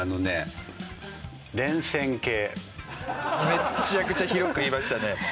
めちゃくちゃ広く言いましたね。